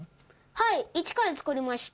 はい、一から作りました。